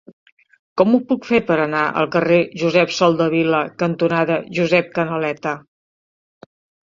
Com ho puc fer per anar al carrer Josep Soldevila cantonada Josep Canaleta?